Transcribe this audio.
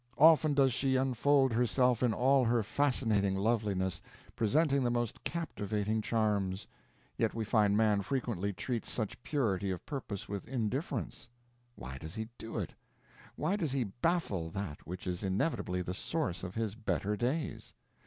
Often does she unfold herself in all her fascinating loveliness, presenting the most captivating charms; yet we find man frequently treats such purity of purpose with indifference. Why does he do it? Why does he baffle that which is inevitably the source of his better days?